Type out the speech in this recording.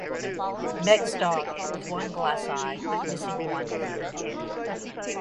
Meg's dog, with one glass eye, missing one ear.